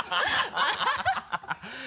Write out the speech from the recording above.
ハハハ